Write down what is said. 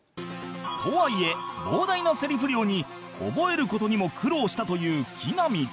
とはいえ膨大なセリフ量に覚える事にも苦労したという木南